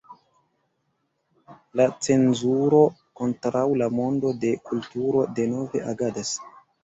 La cenzuro kontraŭ la mondo de kulturo denove agadas.